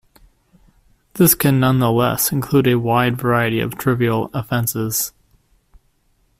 This can nonetheless include a wide variety of trivial offences.